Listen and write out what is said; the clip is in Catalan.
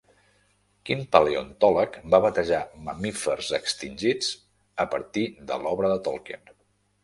Quin paleontòleg va batejar mamífers extingits a partir de l'obra de Tolkien?